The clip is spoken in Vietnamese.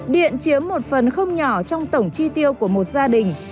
điện chiếm một phần không nhỏ trong tổng chi tiêu của một gia đình